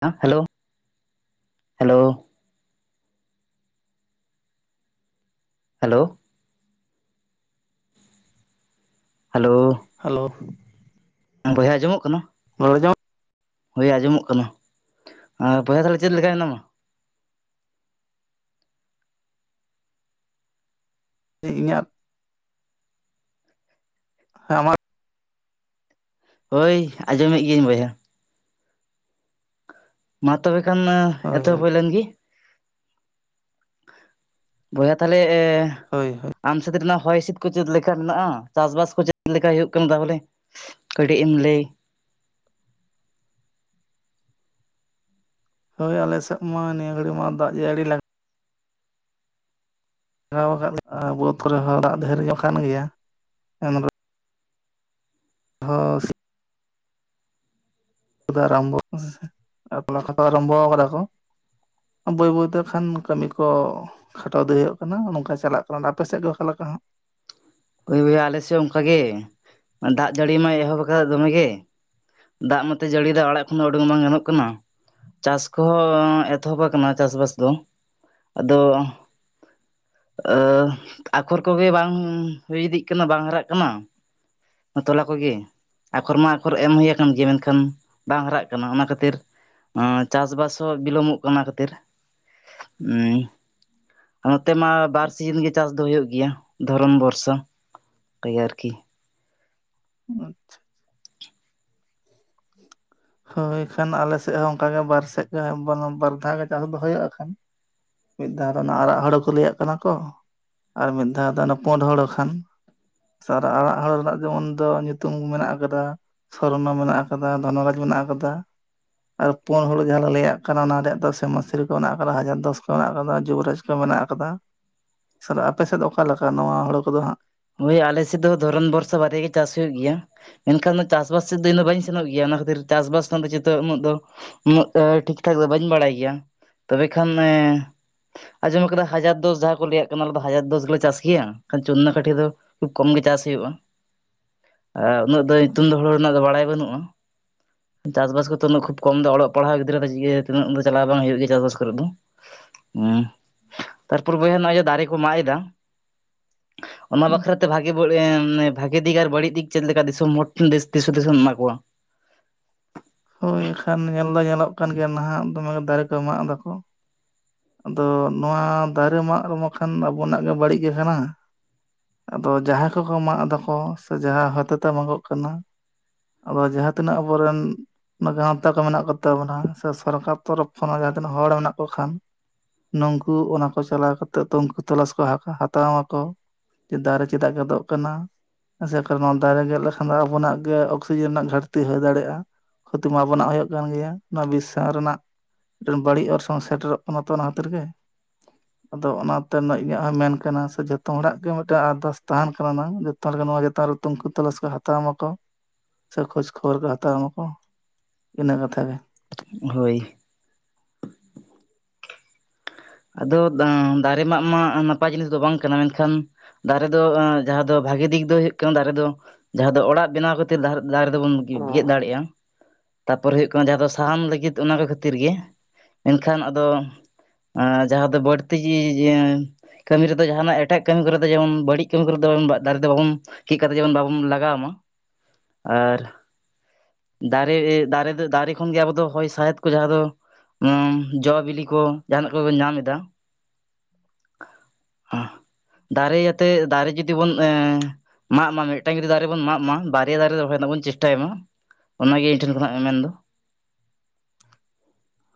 ᱦᱮ hello, hello, hello, hello, hello, ᱵᱚᱭᱦᱟᱸ ᱟᱡᱚᱢᱚᱜ ᱠᱟᱱᱟ? ᱨᱚᱲ ᱟᱡᱚᱢᱚᱜ ᱦᱳᱭ ᱟᱸᱡᱚᱢᱚᱜ ᱠᱟᱱᱟ ᱟᱨ ᱵᱚᱭᱦᱟ ᱛᱟᱦᱞᱮ ᱪᱮᱫ ᱞᱮᱠᱟ ᱦᱮᱱᱟᱢᱟ? ᱛᱮ ᱤᱧᱟᱹᱜ, ᱦᱮᱸ ᱟᱢᱟᱠ ᱦᱳᱭ ᱟᱸᱡᱚᱢᱮᱜ ᱜᱤᱭᱟᱹᱧ ᱵᱚᱭᱦᱟ ᱾ ᱢᱟ ᱛᱚᱵᱮ ᱠᱷᱟᱱ ᱦᱳᱭ ᱮᱛᱚᱵ ᱦᱩᱭ ᱞᱮᱱ ᱜᱤ? ᱵᱚᱭᱦᱟ ᱛᱟᱞᱮ, ᱦᱳᱭ ᱦᱳᱭ, ᱟᱢ ᱥᱮᱫ ᱨᱮᱱᱟᱜ ᱦᱚᱭ ᱦᱸᱥᱤᱫ ᱠᱚ ᱪᱮᱫ ᱞᱮᱠᱟ ᱢᱮᱱᱟᱜ-ᱟ ᱪᱟᱥᱵᱟᱥ ᱠᱚ ᱪᱮᱫ ᱞᱮᱠᱟ ᱦᱳᱭᱳᱜ ᱠᱟᱱᱟ ᱫᱟ ᱵᱚᱞᱮ [inaudible] ᱮᱢ ᱞᱟᱹᱭ, ᱦᱳᱭ ᱟᱞᱮ ᱥᱮᱫ ᱢᱟ ᱱᱤᱭᱟᱹ ᱜᱷᱟᱹᱲᱤ ᱢᱟ ᱫᱟᱜ ᱡᱟᱹᱲᱤ ᱞᱟᱠ [inaudible] [inaudible] [inaudible] ᱟᱨᱟᱢᱵᱚ ᱠᱟᱫᱟ ᱠᱚ ᱵᱟᱹᱭ ᱵᱟᱹᱭᱛᱮ ᱠᱷᱟᱱ ᱠᱟᱹᱢᱤ ᱠᱚ, ᱠᱷᱟᱴᱟᱣ ᱤᱫᱤ ᱦᱳᱭᱳᱜ ᱠᱟᱱᱟ ᱱᱚᱝᱠᱟ ᱪᱟᱞᱟᱜ ᱠᱟᱱᱟ, ᱟᱯᱮ ᱥᱮᱫ ᱜᱮ ᱚᱠᱟ ᱞᱮᱠᱟ ᱦᱟᱸᱜ? ᱦᱳᱭ ᱵᱚᱭᱦᱟ ᱟᱞᱮᱥᱮᱫ ᱦᱚ ᱚᱝᱠᱟ ᱜᱮ, ᱫᱟᱜ ᱡᱟᱹᱲᱤ ᱢᱟᱭ ᱮᱦᱚᱵ ᱠᱟᱜ ᱫᱚᱢᱮ ᱜᱮ ᱫᱟᱜ ᱢᱟᱛᱚᱭ ᱡᱟᱹᱲᱤᱫᱟ ᱟᱲᱟᱜ ᱠᱷᱚᱱ ᱫᱚ ᱩᱰᱩᱝ ᱵᱟᱝ ᱜᱟᱱᱚᱜ ᱠᱟᱱᱟ ᱾ ᱪᱟᱥ ᱠᱚ ᱦᱚᱸ ᱮᱛᱚᱦᱚᱵ ᱠᱟᱱᱟ ᱪᱟᱥᱵᱟᱥ ᱫᱚ, ᱟᱫᱚ ᱟᱹᱻ ᱟᱠᱷᱚᱨ ᱠᱚ ᱜᱮ ᱵᱟᱝ ᱦᱩᱭ ᱤᱫᱤᱜ ᱠᱟᱱᱟ ᱵᱟᱝ ᱦᱟᱨᱟᱜ ᱠᱟᱱᱟ, ᱛᱚᱞᱟ ᱠᱚᱜᱮ, ᱟᱠᱷᱚᱨ ᱢᱟ ᱟᱠᱷᱚᱨ ᱮᱢ ᱦᱳᱭ ᱟᱠᱟᱱ ᱜᱮᱭᱟ ᱢᱮᱱᱠᱷᱟᱱ ᱵᱟᱝ ᱦᱟᱨᱟᱜ ᱠᱟᱱᱟ ᱚᱱᱟ ᱠᱷᱟᱹᱛᱤᱨ, ᱟᱸ ᱪᱟᱥᱵᱟᱥ ᱦᱚᱸ ᱵᱤᱞᱚᱢᱚᱜ ᱠᱟᱱᱟ ᱠᱷᱟᱹᱛᱤᱨ, ᱚᱱᱛᱮ ᱢᱟ ᱵᱟᱨ ᱥᱤᱡᱤᱱ ᱜᱮ ᱪᱟᱥ ᱫᱚ ᱦᱳᱭᱳᱜ ᱜᱮᱭᱟ, ᱫᱷᱚᱨᱚᱢ ᱵᱚᱨᱥᱚ ᱠᱟᱹᱭᱟᱹ ᱟᱨᱠᱤ, [inaudible] ᱦᱳᱭ ᱠᱷᱟᱱ ᱟᱞᱮ ᱥᱮᱜ ᱦᱚᱸ ᱚᱝᱠᱟ ᱜᱮ ᱵᱟᱨ ᱥᱮᱫ ᱜᱮ ᱵᱟᱨ ᱫᱷᱟᱣ ᱜᱮ ᱪᱟᱥ ᱫᱚ ᱦᱳᱭᱳᱜ-ᱟ ᱠᱷᱟᱱ ᱾ ᱢᱤᱫ ᱫᱷᱟᱣ ᱨᱮ ᱚᱱᱟ ᱟᱨᱟᱜ ᱦᱳᱲᱳ ᱠᱚ ᱞᱟᱹᱭᱟᱜ ᱠᱟᱱᱟ ᱠᱚ, ᱟᱨ ᱢᱤᱫ ᱫᱷᱟᱣ ᱫᱚ ᱚᱱᱟ ᱯᱳᱸᱰ ᱦᱚᱲᱳ ᱠᱷᱟᱱ, ᱥᱟᱨᱟ ᱟᱲᱟᱜ ᱦᱳᱲᱳ ᱨᱮᱱᱟᱜ ᱡᱮᱢᱚᱱ ᱫᱚ ᱧᱩᱛᱩᱢ ᱢᱮᱱᱟᱜ ᱠᱟᱫᱟ, ᱥᱚᱨᱱᱚ ᱢᱮᱱᱟᱜ ᱠᱟᱫᱟ ᱫᱷᱚᱱᱚᱨᱟᱡᱽ ᱢᱮᱱᱟᱜ ᱠᱟᱫᱟ ᱾ ᱟᱨ ᱯᱳᱸᱰ ᱦᱳᱲᱳ ᱡᱟᱦᱟ ᱫᱚ ᱞᱟᱹᱭᱟᱜ ᱠᱟᱱᱟ ᱚᱱᱟ ᱨᱮᱭᱟᱜ ᱫᱚ ᱥᱮᱢᱟᱹ ᱥᱨᱤ ᱠᱚ ᱢᱮᱱᱟᱜ ᱟᱠᱟᱫᱟ ᱦᱟᱡᱟᱨ ᱫᱚᱥ ᱠᱚ ᱢᱮᱱᱟᱜ ᱟᱠᱟᱫᱟ ᱡᱩᱵᱨᱟᱡᱽ ᱠᱚ ᱢᱮᱱᱟᱜ ᱠᱟᱫᱟ ᱥᱟᱞ ᱟᱯᱮ ᱥᱮᱫ ᱚᱠᱟ ᱞᱮᱠᱟ ᱱᱚᱣᱟ ᱦᱳᱲᱳ ᱠᱚᱫᱚ ᱦᱟᱸᱜ? ᱳᱭ ᱟᱞᱮ ᱥᱮᱫ ᱫᱚ ᱫᱷᱚᱨᱚᱱ ᱵᱚᱨᱥᱟ ᱵᱟᱨᱭᱟ ᱜᱮ ᱪᱟᱥ ᱦᱩᱭᱩᱜ ᱜᱮᱭᱟ ᱾ ᱮᱱᱠᱷᱟᱱ ᱫᱚ ᱪᱟᱥᱵᱟᱥ ᱥᱮᱫ ᱫᱚ ᱤᱧᱫᱚ ᱵᱟᱹᱧ ᱥᱮᱱᱚᱜ ᱜᱮᱭᱟ ᱚᱱᱟ ᱠᱷᱟᱹᱛᱤᱨ ᱪᱟᱥᱵᱟᱥ ᱠᱷᱚᱱ ᱫᱚ ᱡᱚᱛᱚ ᱩᱱᱟᱹᱜ ᱫᱚ ᱩᱱᱟᱹᱜ ᱴᱷᱤᱠ ᱴᱷᱟᱠ ᱫᱚ ᱵᱟᱹᱧ ᱵᱟᱲᱟᱭ ᱜᱮᱭᱟ ᱛᱚᱵᱮ ᱠᱷᱟᱱ ᱮᱸ ᱟᱸᱡᱚᱢ ᱠᱟᱫᱟ ᱦᱟᱡᱟᱨ ᱫᱚᱥ ᱡᱟᱦᱟᱸ ᱠᱚ ᱞᱟᱹᱭᱟᱜ ᱠᱟᱱᱟ ᱚᱱᱟ ᱫᱚ ᱦᱟᱡᱟᱨ ᱫᱚᱥ ᱜᱮᱞᱮ ᱪᱟᱥ ᱜᱮᱭᱟ, ᱠᱷᱟᱱ ᱪᱩᱱᱱᱟᱹ ᱠᱟᱴᱷᱤ ᱫᱚ ᱠᱷᱩᱵ ᱠᱚᱢ ᱜᱮ ᱪᱟᱥ ᱦᱩᱭᱩᱜ-ᱟ ᱾ ᱟᱨ ᱩᱱᱟᱹᱜ ᱫᱚ ᱧᱩᱛᱩᱢ ᱫᱚ ᱦᱳᱲᱳ ᱨᱮᱱᱟᱜ ᱫᱚ ᱵᱟᱲᱟᱭ ᱵᱟᱹᱱᱩᱜ-ᱟ ᱾ ᱪᱟᱥᱵᱟᱥ ᱠᱚᱛᱚ ᱩᱱᱟᱹᱜ ᱠᱷᱩᱵ ᱠᱚᱢ ᱫᱚ ᱚᱞᱚᱜ ᱯᱟᱲᱦᱟᱣ ᱜᱤᱫᱽᱨᱟᱹ ᱫᱚ ᱪᱤᱠᱟᱹ ᱛᱤᱱᱟᱹᱜ ᱩᱱ ᱫᱚ ᱪᱟᱞᱟᱣ ᱫᱚ ᱵᱟᱝ ᱦᱩᱭᱩᱜ ᱜᱮ ᱪᱟᱥ ᱠᱚᱨᱮᱜ ᱫᱚ ᱾ ᱩᱸ ᱛᱟᱨᱯᱚᱨᱮ ᱵᱚᱭᱦᱟ ᱱᱚᱜ-ᱚᱭ ᱡᱮ ᱫᱟᱨᱮ ᱠᱚ ᱢᱟᱜ ᱮᱫᱟ ᱚᱱᱟ ᱵᱟᱠᱷᱨᱟ ᱛᱮ ᱵᱷᱟᱜᱮ [unintelligible] ᱵᱷᱟᱜᱤ ᱫᱤᱠ ᱟᱨ ᱵᱟᱹᱲᱤᱡ ᱫᱤᱠ ᱪᱮᱫ ᱞᱮᱠᱟ ᱫᱤᱥᱚᱢ ᱦᱚᱲ ᱴᱷᱮᱱ ᱫᱤᱥ ᱦᱩᱫᱤᱥ ᱮᱢ ᱮᱢᱟ ᱠᱚᱣᱟ? ᱦᱳᱭ ᱟᱠᱷᱟᱱ ᱧᱮᱞ ᱫᱚ ᱧᱮᱞᱚᱜ ᱠᱟᱱ ᱜᱮᱭᱟ ᱱᱟᱦᱟᱜ ᱫᱚᱢᱮ ᱜᱮ ᱫᱟᱨᱮ ᱠᱚ ᱢᱟᱜ ᱫᱟᱠᱚ ᱾ ᱟᱫᱚ ᱱᱚᱣᱟ ᱫᱟᱨᱮ ᱢᱟᱜ ᱨᱮᱢᱚ ᱠᱷᱟᱱ ᱟᱵᱚᱱᱟᱜ ᱜᱮ ᱵᱟᱹᱲᱤᱡ ᱜᱮ ᱠᱟᱱᱟ ᱾ ᱟᱫᱚ ᱡᱟᱦᱟᱸᱭ ᱠᱚᱠᱚ ᱢᱟᱜ ᱮᱫᱟ ᱠᱚ ᱥᱮ ᱡᱟᱦᱟᱸ ᱦᱟᱛᱟ ᱛᱮ ᱢᱟᱜᱚᱜ ᱠᱟᱱᱟ ᱟᱵᱟᱨ ᱡᱟᱦᱟᱸ ᱛᱤᱱᱟᱹᱜ ᱟᱵᱚ ᱨᱮᱱ ᱚᱱᱟ ᱜᱟᱶᱛᱟ ᱠᱚ ᱢᱮᱱᱟᱜ ᱠᱚ ᱛᱟᱵᱚᱱᱟ ᱥᱮ ᱥᱚᱨᱠᱟᱨ ᱛᱚᱨᱚᱯᱷ ᱠᱷᱚᱱᱟᱜ ᱡᱟᱦᱟᱸ ᱛᱤᱱᱟᱹᱜ ᱦᱚᱲ ᱢᱮᱱᱟᱜ ᱠᱚ ᱠᱷᱟᱱ ᱱᱩᱝᱠᱩ ᱚᱱᱟ ᱠᱚ ᱪᱟᱞᱟᱣ ᱠᱟᱛᱮᱫ ᱛᱚ ᱩᱱᱠᱩ ᱛᱚᱞᱟᱥ ᱠᱚ ᱦᱟᱛᱟ ᱦᱟᱛᱟᱣ ᱢᱟᱠᱚ ᱾ ᱡᱮ ᱫᱟᱨᱮ ᱪᱮᱫᱟᱜ ᱜᱮᱫᱚᱜ ᱠᱟᱱᱟ? ᱮᱥᱮ ᱠᱟᱨᱚᱱ ᱱᱚᱣᱟ ᱫᱟᱨᱮ ᱜᱮᱫ ᱞᱮᱠᱷᱟᱱ ᱫᱚ ᱟᱵᱚᱱᱟᱜ ᱜᱮ ᱚᱠᱥᱤᱡᱮᱱ ᱨᱮᱱᱟᱜ ᱜᱷᱟᱴᱛᱤ ᱦᱩᱭ ᱫᱟᱲᱮᱜ-ᱟ ᱾ ᱠᱷᱚᱛᱤ ᱢᱟ ᱟᱵᱚᱱᱟᱜ ᱦᱩᱭᱩᱜ ᱠᱟᱱ ᱜᱮᱭᱟ, ᱱᱚᱣᱟ ᱵᱤᱥᱥᱟᱢ ᱨᱮᱱᱟᱜ ᱢᱮᱫᱴᱮᱱ ᱵᱟᱹᱲᱤᱡ ᱚᱨᱥᱚᱝ ᱥᱮᱴᱮᱨᱚᱜ ᱠᱟᱱᱟ ᱛᱚ ᱚᱱᱟ ᱠᱷᱟᱹᱛᱤᱨ ᱜᱮ ᱾ [unintelligible] ᱟᱫᱚ ᱚᱱᱟᱛᱮ ᱚᱱᱮ ᱤᱧᱟᱹᱜ ᱦᱚᱸ ᱢᱮᱱ ᱠᱟᱱᱟ ᱥᱮ ᱡᱚᱛᱚ ᱦᱚᱲᱟᱜ ᱜᱮ ᱢᱤᱫᱴᱟᱝ ᱟᱨᱫᱟᱥ ᱛᱟᱦᱮᱱ ᱠᱟᱱᱟ ᱱᱟᱝ ᱛᱟᱦᱞᱮ ᱠᱷᱟᱱ ᱱᱚᱣᱟ ᱪᱮᱛᱟᱱ ᱨᱮ ᱛᱩᱝᱠᱩ ᱛᱚᱞᱟᱥ ᱠᱚ ᱦᱟᱛᱟᱣ ᱢᱟᱠᱚ ᱥᱮ ᱠᱷᱳᱡᱽ ᱠᱷᱚᱵᱚᱨ ᱠᱚ ᱦᱟᱛᱟᱣ ᱢᱟᱠᱚ ᱾ ᱤᱱᱟᱹ ᱠᱟᱛᱷᱟ ᱜᱮ ᱾ ᱦᱳᱭ ᱾ ᱟᱫᱚ ᱟᱸ ᱫᱟᱨᱮ ᱢᱟᱜ ᱢᱟ ᱱᱟᱯᱟᱭ ᱡᱤᱱᱤᱥ ᱫᱚ ᱵᱟᱝ ᱠᱟᱱᱟ ᱢᱮᱱᱠᱷᱟᱱ ᱫᱟᱨᱮ ᱫᱚ ᱡᱟᱦᱟᱸ ᱫᱚ ᱵᱷᱟᱜᱤ ᱫᱤᱠ ᱫᱚ ᱦᱩᱭᱩᱜ ᱠᱟᱱᱟ ᱫᱟᱨᱮ ᱫᱚ ᱡᱟᱦᱟᱸ ᱫᱚ ᱚᱲᱟᱜ ᱵᱮᱱᱟᱣ ᱠᱷᱟᱹᱛᱤᱨ ᱫᱟᱨᱮ ᱫᱚᱵᱚᱱ ᱜᱮᱫ ᱫᱟᱲᱮᱜᱼᱟ ᱾ ᱛᱟᱯᱚᱨᱮ ᱦᱩᱭᱩᱜ ᱠᱟᱱᱟ ᱡᱟᱦᱟᱸ ᱫᱚ ᱥᱟᱦᱟᱱ ᱞᱟᱹᱜᱤᱫ ᱚᱱᱟ ᱠᱚ ᱠᱷᱟᱹᱛᱤᱨ ᱜᱮ ᱾ ᱢᱮᱱᱠᱷᱟᱱ ᱟᱫ ᱡᱟᱦᱟᱸ ᱫᱚ ᱵᱟᱹᱲᱛᱤ ᱡᱤ ᱡᱮᱸ ᱠᱟᱹᱢᱤ ᱨᱮᱫᱚ ᱡᱟᱦᱟᱱᱟᱜ ᱮᱴᱟᱜ ᱠᱟᱹᱢᱤ ᱠᱚᱨᱮ ᱫᱚ ᱡᱮᱢᱚᱱ ᱵᱟᱹᱲᱤᱡ ᱠᱟᱹᱢᱤ ᱠᱚᱨᱮ ᱫᱚ ᱫᱟᱨᱮ ᱫᱚ ᱵᱟᱵᱚᱱ ᱠᱮᱫ ᱠᱟᱛᱮ ᱡᱮᱢᱚᱱ ᱵᱟᱵᱚᱱ ᱞᱟᱜᱟᱣ ᱢᱟ ᱾ ᱟᱨ ᱫᱟᱨᱮ ᱫᱟᱨᱮ ᱫᱚ ᱫᱟᱨᱮ ᱠᱷᱚᱱᱜᱮ ᱟᱵᱚ ᱫᱚ ᱦᱚᱭ ᱥᱟᱦᱮᱸᱫ ᱠᱚ ᱡᱟᱦᱟᱸ ᱫᱚ ᱩᱸ ᱡᱚ ᱵᱤᱞᱤ ᱠᱚ ᱡᱟᱦᱟᱱᱟᱜ ᱠᱚᱵᱮᱱ ᱧᱟᱢ ᱮᱫᱟ ᱾ [unintelligible] ᱫᱟᱨᱮ ᱡᱟᱛᱮ ᱫᱟᱨᱮ ᱡᱩᱫᱤ ᱵᱚᱱ ᱮᱸ ᱢᱟᱜ ᱢᱟ ᱢᱤᱫᱴᱟᱝ ᱡᱩᱫᱤ ᱫᱟᱨᱮ ᱵᱚᱱ ᱢᱟᱜ ᱢᱟ ᱵᱟᱨᱭᱟ ᱫᱟᱨᱮ ᱨᱚᱦᱚᱭ ᱨᱮᱱᱟᱜ ᱵᱚᱱ ᱪᱮᱥᱴᱟᱭ ᱢᱟ ᱾ ᱚᱱᱟᱜᱮ ᱤᱧ ᱴᱷᱮᱱ ᱠᱷᱚᱱᱟᱜ ᱢᱮ ᱢᱮᱱᱫᱚ ᱾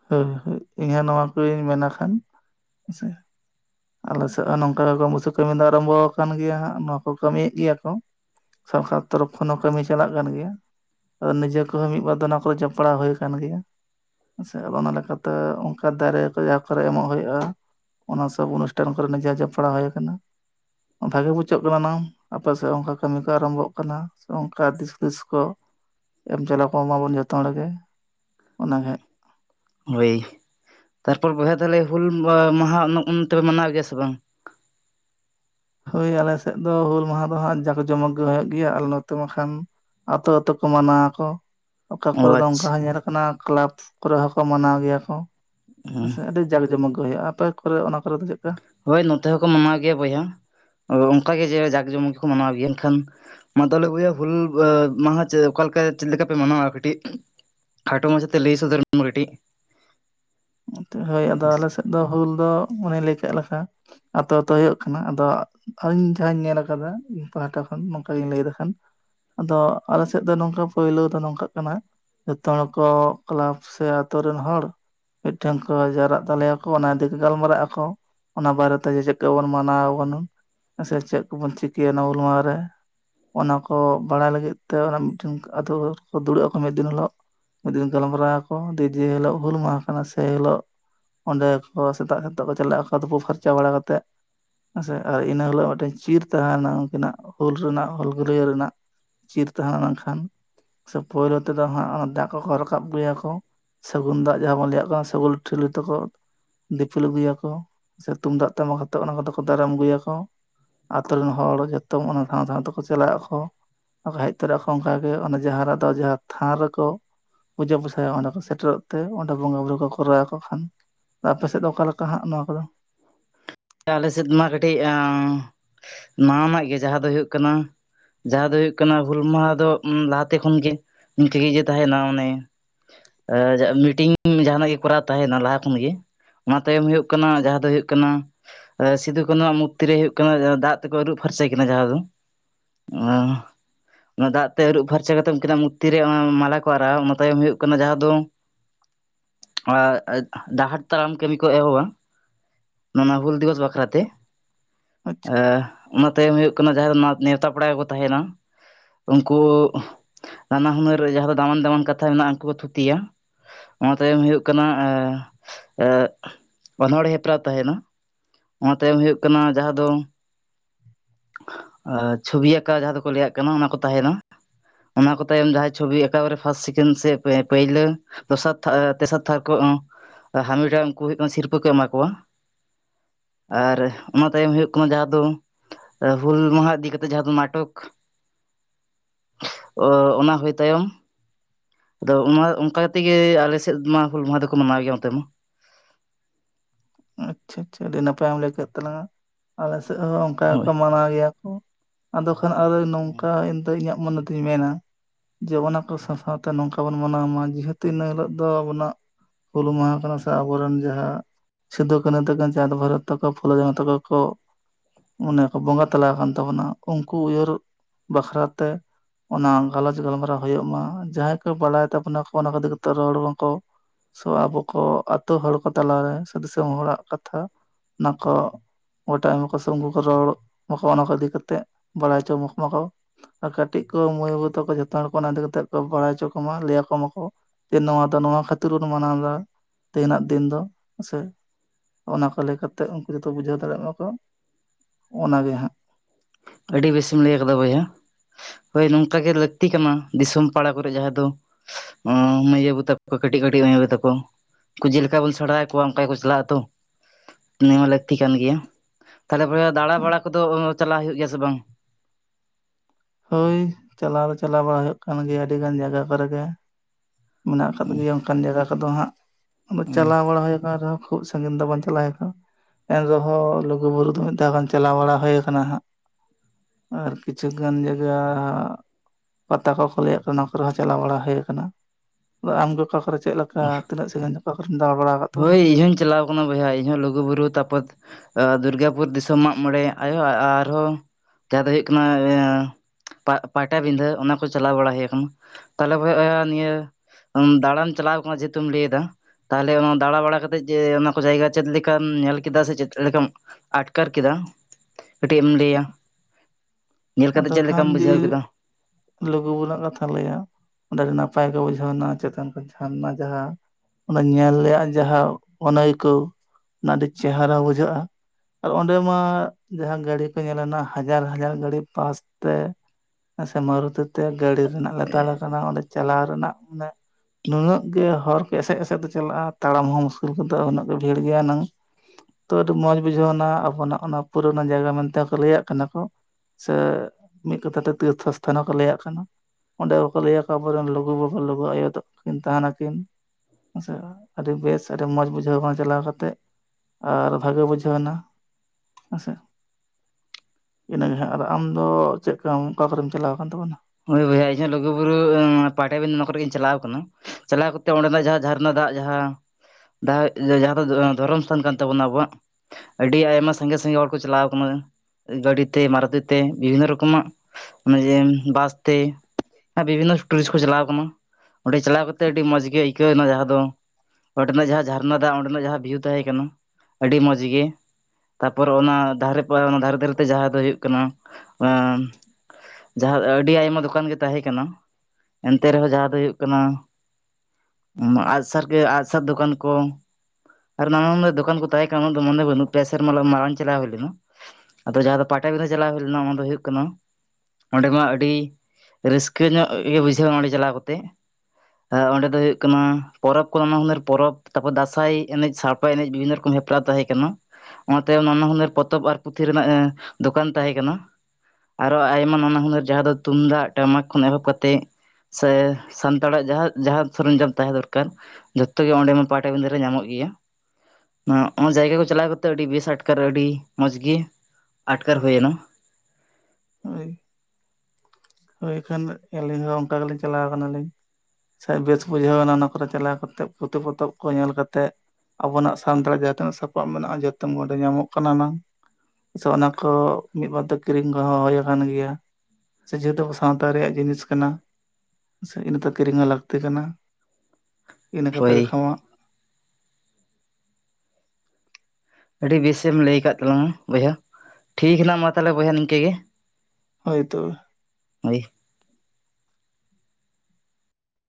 ᱦᱳᱭ ᱦᱳᱭ ᱤᱧ ᱦᱚᱸ ᱱᱚᱣᱟ ᱠᱚᱧ ᱢᱮᱱᱟ ᱠᱷᱟᱱ ᱦᱮᱸᱥᱮ ᱾ ᱟᱞᱮ ᱥᱮᱫ ᱦᱚᱸ ᱱᱚᱝᱠᱟ ᱜᱮ ᱠᱚᱢ ᱵᱮᱥᱤ ᱠᱟᱹᱢᱤ ᱫᱚ ᱟᱨᱟᱢᱵᱚ ᱟᱠᱟᱱ ᱜᱮᱭᱟ ᱦᱟᱸᱜ ᱱᱚᱣᱟ ᱠᱚ ᱠᱟᱹᱢᱤᱭᱮᱫ ᱜᱮᱭᱟ ᱠᱚ ᱾ ᱥᱚᱨᱠᱟᱨ ᱛᱚᱨᱚᱯᱷ ᱠᱷᱚᱱ ᱦᱚᱸ ᱠᱟᱹᱢᱤ ᱪᱟᱞᱟᱜ ᱠᱟᱱ ᱜᱮᱭᱟ ᱾ ᱟᱫᱚ ᱱᱤᱡᱮ ᱠᱚᱦᱚᱸ ᱢᱤᱫ ᱵᱟᱨ ᱫᱚ ᱚᱱᱟ ᱠᱚᱨᱮ ᱡᱚᱯᱲᱟᱣ ᱦᱩᱭ ᱟᱠᱟᱱ ᱜᱮᱭᱟ ᱾ ᱦᱮᱸᱥᱮ ᱟᱫᱚ ᱚᱱᱟ ᱞᱮᱠᱟ ᱛᱮ ᱚᱱᱠᱟ ᱫᱟᱨᱮ ᱠᱚ ᱡᱟᱦᱟᱸ ᱠᱚᱨᱮ ᱮᱢᱚᱜ ᱦᱩᱭᱩᱜᱼᱟ ᱚᱱᱟ ᱥᱚᱵ ᱚᱱᱩᱥᱴᱷᱟᱱ ᱠᱚᱨᱮ ᱱᱤᱡᱮ ᱦᱚ ᱡᱚᱯᱲᱟᱣ ᱦᱩᱭ ᱟᱠᱟᱱᱟ ᱾ ᱵᱷᱟᱜᱮ ᱵᱩᱪᱷᱟᱹᱜ ᱠᱟᱱᱟ ᱱᱟᱝ ᱟᱯᱮ ᱥᱮᱫ ᱚᱱᱠᱟ ᱠᱟᱹᱢᱤ ᱠᱚ ᱟᱨᱟᱢᱵᱷᱚᱜ ᱠᱟᱱᱟ ᱥᱮ ᱚᱱᱠᱟ ᱫᱤᱥ ᱦᱩᱫᱤᱥ ᱠᱚ ᱮᱢ ᱪᱟᱞᱟ ᱟᱠᱚ ᱢᱟᱵᱚᱱ ᱡᱚᱛᱚ ᱦᱚᱲ ᱜᱮ, ᱚᱱᱟ ᱜᱮ ᱾ ᱦᱳᱭ ᱛᱟᱨᱯᱚᱨ ᱵᱚᱭᱦᱟ ᱛᱟᱦᱚᱞᱮ ᱦᱩᱞ ᱢᱟᱦᱟ ᱚᱱᱛᱮ ᱯᱮ ᱢᱟᱱᱟᱣ ᱜᱮᱭᱟ ᱥᱮ ᱵᱟᱝ? ᱦᱳᱭ ᱟᱞᱮᱥᱮᱫ ᱫᱚ ᱦᱩᱞ ᱢᱟᱦᱟ ᱫᱚ ᱦᱟᱸᱜ ᱡᱟᱠ ᱡᱚᱢᱚᱠ ᱜᱮ ᱦᱩᱭᱩᱜ ᱜᱮᱭᱟ ᱟᱨ ᱱᱚᱛᱮ ᱢᱟᱠᱷᱟᱱ ᱟᱛᱳ ᱟᱛᱳ ᱠᱚ ᱢᱟᱱᱟᱣ ᱟᱠᱚ ᱚᱠᱟ ᱚ ᱠᱚᱨᱮ ᱫᱚ ᱚᱱᱠᱟ ᱟᱪᱪᱷᱟ ᱦᱚᱸ ᱧᱮᱞ ᱠᱟᱱᱟ ᱠᱞᱟᱵᱽ ᱠᱚᱨᱮ ᱦᱚᱸᱠᱚ ᱢᱟᱱᱟᱣ ᱜᱮᱭᱟ ᱠᱚ ᱦᱮᱸ ᱥᱮ ᱟᱹᱰᱤ ᱡᱟᱸᱠ ᱡᱚᱢᱚᱠ ᱜᱮ ᱦᱩᱭᱩᱜᱼᱟ ᱟᱯᱮ ᱠᱚᱨᱮ ᱚᱱᱟ ᱠᱚᱨᱮ ᱫᱚ ᱪᱮᱫᱠᱟ? ᱦᱳᱭ ᱱᱚᱛᱮ ᱦᱚᱸᱠᱚ ᱢᱟᱱᱟᱣ ᱜᱮᱭᱟ ᱵᱚᱭᱦᱟ ᱚᱱᱠᱟ ᱜᱮ ᱡᱮ ᱡᱟᱠ ᱡᱚᱢᱚᱱ ᱜᱮᱠᱚ ᱢᱟᱱᱟᱣ ᱜᱮᱭᱟ᱾ ᱮᱱᱠᱷᱟᱱ ᱢᱟ ᱛᱟᱦᱚᱞᱮ ᱦᱚᱭᱟ ᱦᱩᱞ ᱢᱟᱦᱟ ᱪᱮᱫ ᱚᱠᱟᱞᱮᱠᱟ ᱪᱮᱫ ᱞᱮᱠᱟ ᱯᱮ ᱢᱟᱱᱟᱣᱟ ᱠᱟᱹᱴᱤᱡ? ᱠᱷᱟᱴᱚ ᱢᱟᱪᱷᱟ ᱛᱮ ᱞᱟᱹᱭ ᱥᱚᱫᱚᱨ ᱢᱮ ᱠᱟᱹᱴᱤᱡ ᱦᱳᱭ ᱟᱫᱚ ᱟᱞᱮ ᱥᱮᱫ ᱫᱚ ᱦᱩᱞ ᱫᱚ ᱢᱚᱱᱮ ᱞᱟᱹᱭ ᱠᱮᱫ ᱞᱮᱠᱟ ᱟᱛᱚ ᱟᱛᱚ ᱦᱩᱭᱩᱜ ᱠᱟᱱᱟ ᱟᱫᱚ ᱤᱧ ᱡᱟᱦᱟᱸᱧ ᱧᱮᱞ ᱠᱟᱫᱟ ᱤᱧ ᱯᱟᱦᱴᱟ ᱠᱷᱚᱱ ᱱᱚᱝᱠᱟ ᱜᱮᱧ ᱞᱟᱹᱭ ᱞᱮᱠᱷᱟᱱ ᱟᱫᱚ ᱟᱞᱮ ᱥᱮᱫ ᱫᱚ ᱱᱚᱝᱠᱟ ᱯᱳᱭᱞᱳ ᱫᱚ ᱱᱚᱝᱠᱟᱜ ᱠᱟᱱᱟ ᱡᱚᱛᱚ ᱦᱚᱲ ᱠᱚ ᱠᱮᱞᱟᱵᱽ ᱥᱮ ᱟᱛᱳ ᱨᱮᱱ ᱦᱚᱲ ᱢᱤᱫᱴᱮᱱ ᱠᱚ ᱡᱟᱣᱨᱟᱜ ᱛᱟᱞᱮᱭᱟᱠᱚ ᱚᱱᱟ ᱤᱫᱤ ᱜᱟᱞᱢᱟᱨᱟᱜ ᱟᱠᱚ ᱚᱱᱟ ᱵᱟᱨᱮ ᱛᱮᱜᱮ ᱪᱮᱫ ᱠᱚᱵᱚᱱ ᱢᱟᱱᱟᱣᱟ ᱵᱚᱱ ᱥᱮ ᱪᱮᱫ ᱠᱚᱵᱚᱱ ᱪᱤᱠᱟᱹᱭᱟ ᱩᱞ ᱢᱟᱦᱟ ᱨᱮ ᱚᱱᱟ ᱠᱚ ᱵᱟᱲᱟᱭ ᱞᱟᱹᱜᱤᱫ ᱛᱮ ᱚᱱᱟ ᱢᱤᱫᱴᱤᱱ ᱟᱛᱳ ᱫᱩᱲᱩᱵ ᱟᱠᱚ ᱢᱤᱫ ᱫᱤᱱ ᱦᱤᱞᱳᱜ ᱢᱤᱫ ᱫᱤᱱ ᱜᱟᱞᱢᱟᱨᱟᱣ ᱟᱠᱚ ᱫᱤ ᱡᱮ ᱦᱤᱞᱚᱜ ᱦᱩᱞ ᱢᱟᱣᱟ ᱚᱱᱟ ᱥᱮ ᱦᱤᱞᱳᱜ ᱚᱸᱰᱮ ᱠᱚ ᱥᱮᱛᱟᱜ ᱥᱮᱛᱟᱜ ᱠᱚ ᱪᱟᱞᱟᱜ ᱟᱠᱚ ᱛᱩᱯᱩ ᱯᱷᱟᱨᱪᱟ ᱵᱟᱲᱟ ᱠᱟᱛᱮᱫ ᱦᱮᱸᱥᱮ ᱟᱨ ᱤᱱᱟᱹ ᱦᱤᱞᱳᱜ ᱢᱤᱫᱴᱮᱱ ᱪᱤᱨ ᱛᱟᱦᱮᱸᱱᱟ ᱩᱱᱝᱠᱤᱱᱟᱜ ᱦᱩᱞ ᱨᱮᱱᱟᱜ ᱦᱩᱞ ᱜᱟᱹᱨᱭᱟᱹ ᱨᱮᱱᱟᱜ ᱪᱤᱨ ᱛᱟᱦᱮᱱᱟ ᱢᱮᱱᱠᱷᱟᱱ ᱥᱮ ᱯᱳᱭᱞᱳ ᱛᱮᱫᱚ ᱦᱟᱸᱜ ᱚᱱᱟ ᱫᱟᱜ ᱠᱚ ᱨᱟᱠᱟᱵ ᱟᱹᱜᱩᱭᱟ ᱠᱚ ᱥᱟᱜᱩᱱ ᱫᱟᱜ ᱡᱟᱦᱟᱸ ᱵᱚᱱ ᱞᱟᱹᱭᱟ ᱥᱟᱜᱩᱞ ᱴᱷᱤᱞᱤ ᱛᱟᱠᱚ ᱫᱤᱯᱤᱞ ᱟᱹᱜᱩᱭᱟᱠᱚ ᱥᱮ ᱛᱩᱢᱫᱟᱜ ᱴᱟᱢᱟᱠ ᱟᱛᱮ ᱚᱱᱟ ᱠᱚᱫᱚ ᱠᱚ ᱫᱟᱨᱟᱢ ᱟᱹᱜᱩᱭᱟᱠᱚ ᱟᱛᱳ ᱨᱮᱱ ᱦᱚᱲ ᱡᱚᱛᱚ ᱚᱱᱟ ᱥᱟᱶ ᱥᱟᱶ ᱛᱮᱠᱚ ᱪᱟᱞᱟᱜ ᱟᱠᱚ ᱚᱠᱟ ᱦᱮᱡ ᱛᱚᱨᱟ ᱠᱚ ᱚᱱᱠᱟᱜ ᱜᱮ ᱚᱱᱟ ᱡᱟᱦᱟᱸ ᱨᱮᱫᱚ ᱡᱟᱦᱟᱸ ᱛᱷᱟᱱ ᱨᱮᱠᱚ ᱯᱩᱡᱟᱹ ᱯᱟᱥᱟᱭᱟ ᱚᱸᱰᱮ ᱥᱮᱨᱚᱜ ᱛᱮ ᱚᱸᱰᱮ ᱵᱚᱸᱜᱟ ᱵᱩᱨᱩ ᱠᱚ ᱠᱚᱨᱟᱣ ᱟᱠᱚ ᱠᱷᱟᱱ ᱟᱯᱮ ᱥᱮᱫ ᱫᱚ ᱚᱠᱟ ᱞᱮᱠᱟ ᱦᱟᱸᱜ ᱱᱚᱣᱟ ᱠᱚᱫᱚ? ᱟᱞᱮ ᱥᱮᱫ ᱢᱟ ᱠᱟᱹᱴᱤᱡ ᱮ ᱱᱟᱣᱟᱱᱟᱜ ᱜᱮ ᱡᱟᱦᱟᱸ ᱫᱚ ᱦᱩᱭᱩᱜ ᱠᱟᱱᱟ ᱡᱟᱦᱟᱸ ᱫᱚ ᱦᱩᱭᱩᱜ ᱠᱟᱱᱟ ᱦᱩᱞ ᱢᱟᱦᱟ ᱫᱚ ᱞᱟᱦᱟᱛᱮ ᱠᱷᱚᱱ ᱜᱮ ᱤᱱᱠᱟ ᱤᱭᱟᱹ ᱛᱟᱦᱮᱱᱟ ᱢᱟᱱᱮ ᱮ ᱢᱤᱴᱤᱝ ᱡᱟᱦᱟᱱᱟᱜ ᱜᱮ ᱠᱚᱨᱟᱣ ᱛᱟᱦᱮᱱᱟ ᱞᱟᱦᱟ ᱠᱷᱚᱱ ᱜᱮ ᱚᱱᱟ ᱛᱟᱭᱚᱢ ᱦᱩᱭᱩᱜ ᱠᱟᱱᱟ ᱡᱟᱦᱟᱸ ᱫᱚ ᱦᱩᱭᱩᱜ ᱠᱟᱱᱟ ᱥᱤᱫᱩ ᱠᱟᱱᱩᱣᱟᱜ ᱢᱩᱨᱛᱤ ᱨᱮ ᱦᱩᱭᱩᱜ ᱠᱟᱱᱟ ᱫᱟᱜ ᱛᱮᱠᱚ ᱟᱹᱨᱩᱵ ᱯᱷᱟᱨᱪᱟ ᱠᱤᱱᱟ ᱡᱟᱦᱟᱸ ᱫᱚ ᱚ ᱚᱱᱟ ᱫᱟᱜ ᱛᱮ ᱟᱹᱨᱩᱵ ᱯᱷᱟᱨᱪᱟ ᱠᱟᱛᱮ ᱩᱱᱠᱤᱱᱟᱜ ᱢᱩᱨᱛᱤ ᱨᱮ ᱚᱱᱟ ᱢᱟᱞᱟ ᱠᱚ ᱟᱨᱟᱣᱟ ᱚᱱᱟ ᱛᱟᱭᱚᱢ ᱦᱩᱭᱩᱜ ᱠᱟᱱᱟ ᱡᱟᱦᱟᱸ ᱫᱚ ᱮ ᱮᱫ ᱰᱟᱦᱟᱨ ᱛᱟᱲᱟᱢ ᱠᱟᱹᱢᱤ ᱠᱚ ᱮᱦᱚᱵᱟ ᱚᱱᱟ ᱦᱩᱞ ᱫᱤᱵᱚᱥ ᱵᱟᱠᱷᱨᱟ ᱛᱮ ᱟᱪᱪᱷᱟ ᱮ ᱚᱱᱟ ᱛᱟᱭᱚᱢ ᱦᱩᱭᱩᱜ ᱠᱟᱱᱟ ᱡᱟᱦᱟ ᱫᱚ ᱱᱮᱣᱛᱟ ᱯᱟᱲᱟ ᱠᱚᱠᱚ ᱛᱟᱦᱮᱱᱟ ᱩᱱᱠᱩ ᱱᱟᱱᱟ ᱦᱩᱱᱟᱹᱨ ᱡᱟᱦᱟᱸ ᱫᱚ ᱫᱟᱢᱟᱱ ᱫᱟᱢᱟᱱ ᱠᱟᱛᱷᱟ ᱢᱮᱱᱟᱜᱼᱟ ᱩᱱᱠᱩ ᱠᱚ ᱛᱷᱩᱛᱤᱭᱟ ᱚᱱᱟ ᱛᱟᱭᱚᱢ ᱦᱩᱭᱩᱜ ᱠᱟᱱᱟ ᱮ ᱮ ᱚᱱᱚᱲᱦᱮᱫ ᱯᱨᱟᱣ ᱛᱟᱦᱮᱱᱟ ᱚᱱᱟ ᱛᱟᱭᱚᱢ ᱦᱩᱭᱩᱜ ᱠᱟᱱᱟ ᱡᱟᱦᱟᱸ ᱫᱚ ᱟ ᱪᱷᱚᱵᱤ ᱟᱠᱟ ᱡᱟᱦᱟᱸ ᱫᱚᱠᱚ ᱞᱟᱹᱭᱟᱜ ᱠᱟᱱᱟ ᱚᱱᱟ ᱠᱚ ᱛᱟᱦᱮᱱᱟ ᱚᱱᱟ ᱠᱚ ᱛᱟᱭᱚᱢ ᱡᱟᱦᱟᱸᱭ ᱪᱷᱚᱵᱤ ᱟᱠᱟᱣᱟᱱ ᱨᱮ ᱯᱷᱟᱥᱴ ᱥᱮᱠᱮᱱᱰ ᱥᱮ ᱯᱟᱹᱭᱞᱟᱹ ᱫᱚᱥᱟᱨ ᱛᱷᱟᱨ ᱛᱮᱥᱟᱨ ᱛᱷᱟᱨ ᱠᱚ ᱦᱟᱢᱮᱴᱟ ᱩᱱᱠᱩ ᱦᱳᱭᱳᱜ ᱠᱟᱱᱟ ᱥᱤᱨᱯᱟᱹ ᱠᱚ ᱮᱢᱟ ᱠᱚᱣᱟ᱾ ᱟᱨ ᱚᱱᱟ ᱛᱟᱭᱚᱢ ᱦᱩᱭᱩᱜ ᱠᱟᱱᱟ ᱡᱟᱦᱟᱸ ᱫᱚ ᱦᱩᱞ ᱢᱟᱦᱟ ᱤᱫᱤ ᱠᱟᱛᱮᱜ ᱡᱟᱦᱟᱸ ᱫᱚ ᱢᱟᱭᱴᱚᱠ ᱚ ᱚᱱᱟ ᱦᱩᱭ ᱛᱟᱭᱚᱢ ᱫᱚ ᱚᱱᱟ ᱚᱱᱠᱟ ᱠᱟᱛᱮᱜ ᱜᱮ ᱟᱞᱮ ᱥᱮᱫ ᱢᱟ ᱦᱩᱞ ᱢᱟᱦᱟ ᱫᱚᱠᱚ ᱢᱟᱱᱟᱣ ᱜᱮᱭᱟ ᱚᱱᱛᱮ ᱢᱟ ᱟᱪᱪᱷᱟ ᱟᱪᱪᱷᱟ ᱟᱹᱰᱤ ᱱᱟᱯᱟᱭ ᱮᱢ ᱞᱟᱹᱭ ᱠᱮᱫ ᱛᱟᱞᱟᱝᱼᱟ, ᱟᱞᱮ ᱥᱮᱫ ᱦᱚᱸ ᱚᱱᱠᱟ ᱜᱮᱠᱚ ᱦᱳᱭ ᱢᱟᱱᱟᱣ ᱜᱮᱭᱟ ᱠᱚ᱾ ᱟᱫᱚ ᱠᱷᱟᱱ ᱟᱨ ᱱᱚᱝᱠᱟ ᱮᱱᱛᱮ ᱤᱧᱟᱹᱜ ᱢᱚᱱᱮᱼᱼ ᱛᱤᱧ ᱢᱮᱱᱟ ᱡᱮ ᱚᱱᱟ ᱠᱚ ᱥᱟᱶ ᱥᱟᱶᱛᱮ ᱱᱚᱝᱠᱟ ᱵᱚᱱ ᱢᱟᱱᱟᱣ ᱢᱟ ᱡᱮ ᱦᱮᱛᱩ ᱤᱱᱟᱹ ᱦᱤᱞᱳᱜ ᱫᱚ ᱟᱵᱚᱱᱟᱜᱼᱼ ᱦᱩᱞ ᱢᱟᱦᱟ ᱠᱟᱱᱟ ᱥᱮ ᱟᱵᱚ ᱨᱮᱱ ᱡᱟᱦᱟᱸᱼᱼ ᱥᱤᱫᱩ ᱠᱟᱹᱱᱩ ᱛᱤᱠᱤᱱ ᱪᱟᱸᱫᱽ ᱵᱷᱚᱭᱨᱚᱵ ᱛᱮᱠᱚ ᱯᱷᱩᱞᱳ ᱡᱷᱟᱱᱚ ᱛᱮᱠᱚ ᱠᱚᱼᱼ ᱚᱱᱮ ᱠᱚ ᱵᱚᱸᱜᱟ ᱛᱟᱞᱟ ᱟᱠᱟᱱ ᱛᱟᱵᱚᱱᱟ ᱩᱱᱠᱩ ᱩᱭᱦᱟᱹᱨ ᱵᱟᱠᱷᱨᱟ ᱛᱮᱼᱼ ᱚᱱᱟ ᱜᱟᱞᱚᱪ ᱜᱟᱞᱢᱟᱨᱟᱣ ᱦᱩᱭᱩᱜ ᱢᱟ ᱡᱟᱦᱟᱸᱭ ᱠᱚ ᱵᱟᱲᱟᱭ ᱛᱟᱵᱚᱱᱟ ᱠᱚ ᱚᱱᱟ ᱠᱚ ᱤᱫᱤ ᱠᱟᱛᱮ ᱨᱚᱲ ᱢᱟᱠᱚ᱾ ᱥᱚ ᱟᱵᱚ ᱠᱚ ᱟᱹᱛᱩ ᱦᱚᱲ ᱠᱚ ᱛᱟᱞᱟᱨᱮ ᱥᱮ ᱫᱤᱥᱚᱢ ᱦᱚᱲᱟᱜ ᱠᱟᱛᱷᱟ ᱚᱱᱟ ᱠᱚᱼᱼ ᱜᱚᱴᱟᱭ ᱢᱟᱠᱚ ᱥᱮ ᱩᱱᱠᱩ ᱠᱚ ᱨᱚᱲ ᱢᱟᱠᱚ ᱚᱱᱟ ᱠᱚ ᱤᱫᱤ ᱠᱟᱛᱮᱫ ᱵᱟᱲᱟᱭ ᱦᱚᱪᱚ ᱵᱚᱱ ᱢᱟᱠᱚ᱾ ᱟᱨ ᱠᱟᱹᱴᱤᱡ ᱠᱚ ᱢᱟᱹᱭ ᱵᱟᱹᱵᱩ ᱛᱟᱠᱚ ᱡᱚᱛᱚ ᱦᱚᱲ ᱠᱚ ᱚᱱᱟ ᱤᱫᱤ ᱠᱟᱛᱮᱫ ᱠᱚ ᱵᱟᱲᱟᱭ ᱪᱚ ᱠᱚᱢᱟ ᱞᱟᱹᱭ ᱟᱠᱚ ᱢᱟᱠᱚ᱾ ᱡᱮ ᱱᱚᱣᱟ ᱫᱚ ᱱᱚᱣᱟ ᱠᱷᱟᱹᱛᱤᱨ ᱵᱚᱱ ᱢᱟᱱᱟᱣ ᱫᱟ ᱛᱮᱦᱮᱧᱟᱜ ᱫᱤᱱ ᱫᱚ᱾ ᱥᱮ ᱚᱱᱟ ᱠᱚ ᱞᱟᱹᱭ ᱠᱟᱛᱮ ᱩᱱᱠᱩ ᱡᱟᱛᱮ ᱵᱩᱡᱷᱟᱹᱣ ᱫᱟᱲᱮᱭᱟᱜ ᱢᱟᱠᱚ ᱚᱱᱟᱜᱮ ᱦᱟᱸᱜ᱾ ᱟᱹᱰᱤ ᱵᱮᱥᱮᱢ ᱞᱟᱹᱭ ᱟᱠᱟᱫᱟ ᱵᱚᱭᱦᱟ᱾ ᱦᱳᱭ ᱱᱚᱝᱠᱟ ᱜᱮ ᱞᱟᱹᱠᱛᱤ ᱠᱟᱱᱟ ᱫᱤᱥᱚᱢ ᱯᱟᱲᱟ ᱠᱚᱨᱮ ᱡᱟᱦᱟᱸ ᱫᱚᱼᱼ [inaudible] ᱢᱟᱹᱭ ᱵᱟᱹᱵᱩ ᱛᱟᱠᱚ ᱠᱟᱹᱴᱤᱡ ᱠᱟᱹᱴᱤᱡ ᱢᱟᱹᱭ ᱟᱹᱵᱩ ᱛᱟᱠᱚ᱾ ᱩᱱᱩ ᱪᱮᱫ ᱞᱮᱠᱟ ᱵᱚᱱ ᱥᱮᱲᱟ ᱟᱠᱚᱣᱟ ᱚᱱᱠᱟ ᱜᱮᱠᱚ ᱪᱟᱞᱟᱜᱼᱟ ᱛᱚ ᱱᱤᱭᱟᱹ ᱢᱟ ᱞᱟᱹᱠᱛᱤ ᱠᱟᱱ ᱜᱮᱭᱟ᱾ ᱛᱟᱦᱟᱞᱮ ᱵᱚᱭᱦᱟ ᱫᱟᱬᱟ ᱵᱟᱲᱟ ᱠᱚᱫᱚ ᱪᱟᱞᱟᱜ ᱦᱩᱭᱩᱜ ᱜᱮᱭᱟ ᱥᱮ ᱵᱟᱝ? ᱦᱳᱭ ᱪᱟᱞᱟᱣ ᱫᱚ ᱪᱟᱞᱟᱣ ᱵᱟᱲᱟ ᱦᱩᱭᱩᱜ ᱠᱟᱱ ᱜᱮᱭᱟ ᱟᱹᱰᱤ ᱜᱟᱱ ᱡᱟᱭᱜᱟ ᱠᱚᱨᱮ ᱜᱮ᱾ ᱢᱮᱱᱟᱜ ᱟᱠᱟᱫ ᱜᱮᱭᱟ ᱚᱱᱠᱟᱱ ᱡᱟᱭᱜᱟ ᱠᱚᱫᱚ ᱦᱟᱸᱜ ᱪᱟᱞᱟᱣ ᱵᱟᱲᱟ ᱦᱩᱭ ᱟᱠᱟᱱ ᱨᱮᱦᱚᱸᱼᱼ ᱠᱷᱩᱵ ᱥᱟᱺᱜᱤᱧ ᱫᱚ ᱵᱟᱝ ᱪᱟᱞᱟᱣ ᱦᱩᱭ ᱠᱟᱱᱟ ᱾ ᱮᱱ ᱨᱮᱦᱚᱸ ᱞᱩᱜᱩ ᱵᱩᱨᱩ ᱫᱚ ᱢᱤᱫ ᱫᱷᱟᱣ ᱜᱟᱱ ᱪᱟᱞᱟᱣ ᱵᱟᱲᱟ ᱦᱩᱭ ᱠᱟᱱᱟ ᱦᱟᱸᱜ ᱟᱨ ᱠᱤᱪᱷᱩᱼᱼ ᱜᱟᱱ ᱡᱟᱭᱜᱟ ᱯᱟᱛᱟ ᱠᱚᱠᱚ ᱞᱟᱹᱭᱮᱫ ᱠᱟᱱᱟ ᱚᱱᱟ ᱠᱚᱨᱮ ᱦᱚᱸ ᱪᱟᱞᱟᱣ ᱵᱟᱲᱟ ᱦᱩᱭ ᱠᱟᱱᱟ᱾ ᱟᱫᱚ ᱟᱢᱜᱮ ᱚᱠᱟ ᱠᱚᱨᱮ ᱪᱮᱫ ᱞᱮᱠᱟ ᱛᱤᱱᱟᱹᱜ ᱥᱟᱺᱜᱤᱧ ᱚᱠᱟ ᱠᱚᱨᱮᱢ ᱫᱟᱲᱟ ᱵᱟᱲᱟᱼᱼ ᱦᱳᱭ ᱤᱧ ᱦᱚ ᱦᱩᱧ ᱪᱟᱞᱟᱣᱼᱼ ᱠᱚᱱᱳ ᱵᱚᱭᱦᱟ ᱤᱧᱦᱚᱸ ᱞᱩᱜᱩ ᱵᱩᱨᱩ ᱛᱟᱨᱯᱚᱨ ᱫᱩᱨᱜᱟᱯᱩᱨ ᱫᱤᱥᱚᱢ ᱢᱟᱜ ᱢᱚᱬᱮ ᱟᱭᱚ ᱟᱨᱦᱚᱸᱼᱼ ᱡᱟᱦᱟᱸ ᱫᱚ ᱦᱩᱭᱩᱜ ᱠᱟᱱᱟ [unintelligible] ᱯᱟ ᱯᱟᱴᱟ ᱵᱤᱸᱫᱷᱟᱹ ᱚᱱᱟ ᱠᱚ ᱪᱟᱞᱟᱣ ᱵᱟᱲᱟ ᱦᱩᱭ ᱟᱠᱟᱱᱟ ᱛᱟᱦᱚᱞᱮ [unintelligible] ᱱᱤᱭᱟᱹᱼᱼ ᱫᱟᱬᱟᱱ ᱪᱟᱞᱟᱣ ᱟᱠᱟᱱᱟ ᱡᱮᱦᱮᱛᱩᱢ ᱞᱟᱹᱭᱮ ᱫᱟ ᱛᱟᱦᱚᱞᱮ ᱚᱱᱼᱼ ᱫᱟᱬᱟ ᱵᱟᱲᱟ ᱠᱟᱛᱮᱫ ᱡᱮ ᱚᱱᱟ ᱠᱚ ᱡᱟᱭᱜᱟ ᱪᱮᱫ ᱞᱮᱠᱟᱢ ᱧᱮᱞ ᱠᱮᱫᱟ ᱥᱮ ᱪᱮᱫ ᱞᱮᱠᱟᱢ ᱟᱴᱠᱟᱨ ᱠᱮᱫᱟ? ᱠᱟᱹᱴᱤᱡ ᱮᱢ ᱞᱟᱹᱭᱟ ᱧᱮᱞ ᱠᱟᱛᱮᱜ ᱟᱫᱚ ᱪᱮᱫ ᱠᱷᱟᱱ ᱞᱮᱠᱟᱢ ᱵᱩᱡᱷᱟᱹᱣ ᱡᱩᱫᱤ ᱠᱮᱫᱟ? ᱞᱩᱜᱩᱵᱩᱨᱩ ᱨᱮᱱᱟᱜ ᱠᱟᱛᱷᱟ ᱞᱟᱹᱭᱟ ᱚᱸᱰᱮ ᱱᱟᱯᱟᱭ ᱜᱮ ᱵᱩᱡᱷᱟᱹᱣᱱᱟ ᱪᱮᱛᱟᱱ ᱠᱚ ᱡᱷᱟᱨᱱᱟ ᱡᱟᱸᱦᱟᱼᱼ ᱚᱱᱟ ᱧᱮᱞ ᱨᱮᱭᱟᱜ ᱡᱟᱸᱦᱟ ᱟᱱᱟᱹᱭᱠᱟᱹᱣ ᱚᱱᱟ ᱟᱹᱰᱤ ᱪᱮᱦᱨᱟ ᱵᱩᱡᱷᱟᱹᱜᱼᱟ᱾ ᱟᱨ ᱚᱸᱰᱮ ᱢᱟ ᱡᱟᱸᱦᱟ ᱜᱟᱹᱰᱤ ᱠᱚ ᱧᱮᱞᱮ ᱱᱟ ᱦᱟᱡᱟᱨ ᱦᱟᱡᱟᱨ ᱜᱟᱹᱲᱤ ᱯᱟᱥᱛᱮᱼᱼ ᱥᱮ ᱢᱟᱹᱨᱩᱛᱤ ᱛᱮ ᱜᱟᱹᱲᱤ ᱨᱮᱱᱟᱜ ᱞᱮᱛᱟᱲ ᱠᱟᱱᱟ ᱚᱸᱰᱮ ᱪᱟᱞᱟᱣ ᱨᱮᱱᱟᱜ ᱢᱟᱱᱮᱼᱼ ᱱᱩᱱᱟᱹᱜ ᱜᱮ ᱦᱚᱨ ᱠᱚ ᱮᱥᱮᱫ ᱮᱥᱮᱫ ᱛᱮ ᱪᱟᱞᱟᱜᱼᱟ ᱛᱟᱲᱟᱢ ᱦᱚᱸ ᱢᱩᱥᱠᱤᱞ ᱠᱚᱫᱚ ᱩᱱᱟᱹᱜ ᱜᱮ ᱵᱷᱤᱲ ᱜᱮᱭᱟ ᱱᱟᱹᱝ᱾ ᱛᱚ ᱟᱹᱰᱤ ᱢᱚᱸᱡᱽ ᱵᱩᱡᱷᱟᱹᱣ ᱱᱟ ᱟᱵᱚᱱᱟᱜ ᱚᱱᱟ ᱯᱩᱨᱟᱹᱱᱟ ᱡᱟᱭᱜᱟ ᱢᱮᱱᱛᱮ ᱠᱚ ᱞᱟᱹᱭᱟᱜ ᱠᱟᱱᱟ ᱠᱚ᱾ ᱥᱮ ᱢᱤᱫ ᱠᱟᱛᱷᱟ ᱛᱮ [unintelligible] ᱦᱚᱸ ᱠᱚ ᱞᱟᱹᱭᱟᱜ ᱠᱟᱱᱟ᱾ ᱚᱸᱰᱮ ᱠᱚ ᱞᱟᱹᱭᱟᱠᱚ ᱟᱵᱚᱨᱮᱱ ᱞᱩᱜᱩ ᱵᱟᱵᱟ ᱞᱩᱜᱩ ᱟᱭᱳ ᱛᱟᱠᱤᱱ ᱛᱟᱦᱮᱸ ᱱᱟᱠᱤᱱ᱾ ᱦᱮᱸᱥᱮ ᱟᱹᱰᱤ ᱵᱮᱥ ᱟᱹᱰᱤ ᱢᱚᱡᱽ ᱵᱩᱡᱷᱟᱹᱣ ᱟᱠᱟᱱᱟ ᱪᱟᱞᱟᱣ ᱠᱟᱛᱮ᱾ ᱟᱨ ᱵᱷᱟᱜᱮ ᱵᱩᱡᱷᱟᱹᱣ ᱮᱱᱟ ᱦᱮᱸᱥᱮ ᱤᱱᱟᱹᱜᱮ ᱦᱟᱸᱜ᱾ ᱟᱨ ᱟᱢᱫᱚ ᱪᱮᱫ ᱠᱟᱢ ᱚᱠᱟ ᱠᱚᱨᱮᱢ ᱪᱟᱞᱟᱣ ᱠᱟᱱ ᱛᱟᱵᱚᱱᱟ? ᱦᱳᱭ ᱵᱚᱭᱦᱟ ᱤᱧᱦᱚᱸ ᱞᱩᱜᱩ ᱵᱩᱨᱩ ᱯᱟᱴᱟᱵᱤᱸᱫᱟᱹ ᱱᱚᱣᱟ ᱠᱚᱨᱮ ᱜᱤᱧ ᱪᱟᱞᱟᱣ ᱠᱟᱱᱟ᱾ ᱪᱟᱞᱟᱣ ᱠᱟᱛᱮ ᱚᱸᱰᱮᱱᱟᱜ ᱡᱟᱸᱦᱟ ᱡᱷᱟᱨᱱᱟ ᱫᱟᱜ ᱡᱟᱦᱟᱸᱼᱼ ᱡᱟᱦᱟᱸ ᱫᱚ ᱫᱷᱚᱨᱚᱢ ᱥᱛᱷᱟᱱ ᱠᱟᱱ ᱛᱟᱵᱚᱱᱟ ᱟᱵᱚᱣᱟᱜ᱾ ᱟᱹᱰᱤ ᱟᱭᱢᱟ ᱥᱟᱸᱜᱮ ᱥᱟᱸᱜᱮ ᱦᱚᱲ ᱠᱚ ᱪᱟᱞᱟᱣ ᱟᱠᱟᱱᱟ ᱜᱟᱹᱰᱤ ᱛᱮ ᱢᱟᱨᱚᱛᱤ ᱛᱮ ᱵᱤᱵᱷᱤᱱᱱᱚ ᱨᱚᱠᱚᱢᱟᱜᱼᱼ ᱚᱱᱮ ᱡᱮ ᱵᱟᱥᱛᱮ ᱵᱤᱵᱷᱤᱱᱱᱚ ᱴᱩᱨᱤᱥᱴ ᱠᱚ ᱪᱟᱞᱟᱣ ᱟᱠᱟᱱᱟ᱾ ᱚᱸᱰᱮ ᱪᱟᱞᱟᱣ ᱠᱟᱛᱮᱜ ᱟᱹᱰᱤ ᱢᱚᱸᱡᱽ ᱜᱮ ᱟᱹᱭᱠᱟᱹᱣ ᱮᱱᱟ ᱡᱟᱦᱟᱸ ᱫᱚ ᱚᱸᱰᱮᱱᱟᱜ ᱡᱟᱦᱟᱸ ᱡᱷᱟᱨᱱᱟ ᱫᱟᱜ ᱚᱸᱰᱮᱱᱟᱜ ᱡᱟᱦᱟᱸ ᱵᱷᱤᱭᱩ ᱛᱟᱦᱮᱸ ᱠᱟᱱᱟ ᱟᱹᱰᱤ ᱢᱚᱸᱡᱽ ᱜᱮ᱾ ᱛᱟᱯᱚᱨ ᱚᱱᱟ ᱫᱷᱟᱨᱮ ᱯᱟ, ᱫᱷᱟᱨᱮ ᱫᱷᱟᱨᱮᱛᱮ ᱡᱟᱸᱦᱟ ᱫᱚ ᱦᱩᱭᱩᱜ ᱠᱟᱱᱟ ᱚᱱᱟ ᱡᱟᱸᱦᱟ ᱟᱹᱰᱤ ᱟᱭᱢᱟ ᱫᱚᱠᱟᱱ ᱜᱮ ᱛᱟᱸᱦᱮ ᱠᱟᱱᱟ ᱮᱱᱛᱮ ᱨᱮᱦᱚᱸ ᱡᱟᱸᱦᱟ ᱫᱚ ᱦᱩᱭᱩᱜ ᱠᱟᱱᱟ ᱚᱱᱟ ᱟᱸᱜᱥᱟᱨ ᱜᱮ ᱟᱸᱜᱥᱟᱨ ᱫᱚᱠᱟᱱ ᱠᱚ ᱟᱨ ᱱᱟᱱᱟ ᱦᱩᱱᱟ. ᱨ ᱫᱚᱠᱟᱱ ᱠᱚ ᱛᱟᱦᱮᱸ ᱠᱟᱱᱟ ᱩᱱᱟᱹᱜ ᱫᱚ ᱢᱚᱱᱮ ᱵᱟᱹᱱᱩᱜ ᱯᱮ ᱥᱮᱨᱢᱟ ᱞᱟᱦᱟ ᱢᱟᱲᱟᱝ ᱪᱟᱞᱟᱣ ᱦᱩᱭᱞᱮᱱᱟ ᱾ ᱟᱫᱚ ᱡᱟᱦᱟᱸ ᱫᱚ ᱯᱟᱴᱟᱵᱤᱸᱫᱟᱹ ᱪᱟᱞᱟᱣ ᱦᱩᱭ ᱞᱮᱱᱟ ᱚᱱᱟ ᱫᱚ ᱦᱩᱭᱩᱜ ᱠᱟᱱᱟ ᱚᱸᱰᱮ ᱢᱟ ᱟᱹᱰᱤ ᱨᱟᱹᱥᱠᱟᱹ ᱧᱚᱜ ᱤᱭᱟᱹ ᱵᱩᱡᱷᱟᱹᱭᱟᱢ ᱚᱸᱰᱮ ᱪᱟᱞᱟᱣ ᱠᱟᱛᱮ, ᱟᱨ ᱚᱸᱰᱮ ᱫᱚ ᱦᱩᱭᱩᱜ ᱠᱟᱱᱟ ᱯᱚᱨᱚᱵᱽ ᱠᱚ ᱱᱟᱱᱟ ᱦᱩᱱᱟᱹᱨ ᱯᱚᱨᱚᱵᱽ ᱛᱟᱯᱚᱨ ᱫᱟᱸᱥᱟᱭ ᱮᱱᱮᱡ ᱥᱟᱯ ᱯᱟ ᱮᱱᱮᱡ ᱵᱤᱵᱷᱤᱱᱱᱚ ᱨᱚᱠᱚᱢ ᱦᱮᱯᱮᱨᱟᱣ ᱛᱟᱦᱮᱸ ᱠᱟᱱᱟ᱾ ᱚᱱᱟᱛᱟᱭᱚᱢ ᱱᱟᱱᱟ ᱦᱩᱱᱟᱹᱨ ᱯᱚᱛᱚᱵ ᱟᱨ ᱯᱩᱛᱷᱤ ᱨᱮᱱᱟᱜ ᱮᱸ ᱫᱚᱠᱟᱱ ᱛᱟᱦᱮᱸ ᱠᱟᱱᱟ᱾ ᱟᱨᱦᱚ ᱟᱭᱢᱟ ᱱᱟᱱᱟ ᱦᱩᱱᱟᱹᱨ ᱡᱟᱦᱟ ᱫᱚ ᱛᱩᱢᱫᱟᱜ ᱴᱟᱢᱟᱠ ᱠᱷᱚᱱ ᱮᱦᱚᱵ ᱠᱟᱛᱮᱫ ᱥᱮ ᱥᱟᱱᱛᱟᱲᱟᱜ ᱡᱟᱦᱟᱸ ᱡᱟᱦᱟᱸ ᱥᱚᱨᱚᱢᱡᱟᱢ ᱛᱟᱦᱮᱸ ᱫᱚᱨᱠᱟᱨ ᱡᱷᱚᱛᱚ ᱜᱮ ᱚᱸᱰᱮ ᱢᱟ ᱯᱟᱴᱟᱵᱤᱸᱫᱟᱹ ᱨᱮ ᱧᱟᱢᱚᱜ ᱜᱮᱭᱟ᱾ ᱚᱱᱟ ᱚᱱᱟ ᱡᱟᱭᱜᱟ ᱠᱚ ᱪᱟᱞᱟᱣ ᱠᱟᱛᱮᱜ ᱟᱹᱰᱤ ᱵᱮᱥ ᱟᱴᱠᱟᱨ ᱟᱹᱰᱤ ᱢᱚᱸᱡᱽ ᱜᱮ ᱟᱴᱠᱟᱨ ᱦᱩᱭᱱᱟ᱾ ᱦᱳᱭ ᱦᱳᱭ ᱠᱷᱟᱱ ᱟᱹᱞᱤᱧ ᱦᱚᱸ ᱚᱱᱠᱟ ᱜᱮᱞᱤᱧ ᱪᱟᱞᱟᱣ ᱠᱟᱱᱟᱞᱤᱧ᱾ ᱥᱮ ᱵᱮᱥ ᱵᱩᱡᱷᱟᱹᱣᱱᱟ ᱚᱱᱟ ᱠᱚᱨᱮ ᱪᱟᱞᱟᱣ ᱠᱟᱛᱮᱫ ᱯᱩᱛᱷᱤ ᱯᱚᱛᱚᱵ ᱠᱚ ᱧᱮᱞ ᱠᱟᱛᱮᱫ᱾ ᱟᱵᱚᱱᱟᱜ ᱥᱟᱱᱛᱟᱲᱟᱜ ᱡᱟᱸᱦᱟ ᱛᱤᱱᱟᱹᱜ ᱥᱟᱯᱟᱵ ᱢᱮᱱᱟᱜᱼᱟ ᱡᱷᱚᱛᱚᱢ ᱚᱰᱮ ᱧᱟᱢᱚᱜ ᱠᱟᱱᱟ ᱱᱟᱜ᱾ ᱥᱮ ᱚᱱᱟ ᱠᱚ ᱢᱤᱫ ᱵᱟᱨ ᱫᱚ ᱠᱤᱨᱤᱧ ᱫᱚᱦᱚᱸ ᱦᱳᱭᱳᱜ ᱠᱟᱱ ᱜᱮᱭᱟ ᱥᱮ ᱡᱮᱦᱩᱛᱩ ᱥᱟᱶᱛᱟ ᱨᱮᱭᱟᱜ ᱡᱤᱱᱤᱥ ᱠᱟᱱᱟ᱾ ᱥᱮ ᱤᱱᱟᱹᱛᱮ ᱠᱤᱨᱤᱧ ᱦᱚᱸ ᱞᱟᱹᱠᱛᱤ ᱠᱟᱱᱟ ᱤᱱᱟᱹ ᱠᱟᱛᱮ ᱦᱳᱭ ᱜᱮ ᱠᱷᱟᱢᱟᱜ- ᱟᱹᱰᱤ ᱵᱮᱥᱮᱢ ᱞᱟᱹᱭ ᱟᱠᱟᱫ ᱛᱟᱞᱟᱝᱟ ᱵᱚᱭᱦᱟ ᱴᱷᱤᱠ ᱦᱮᱱᱟᱜ ᱢᱟ ᱛᱟᱦᱚᱞᱮ ᱵᱚᱭᱦᱟ ᱱᱤᱝᱠᱟᱹ ᱜᱮ᱾ ᱦᱳᱭ ᱛᱚᱵᱮ᱾ ᱦᱳᱭ᱾